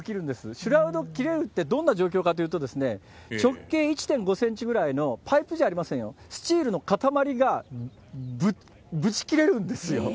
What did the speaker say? シュラウド切れるってどんな状況かっていうと、直径１．５センチぐらいのパイプじゃありませんよ、スチールの塊がぶち切れるんですよ。